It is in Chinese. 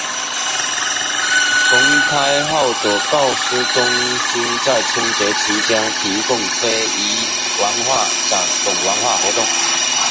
重开后的购书中心在春节期间提供非遗文化展等文化活动。